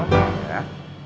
dia tuh selalu bikin masalah